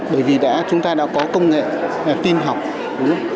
bởi vì chúng ta đã có công nghệ tiêm học đúng không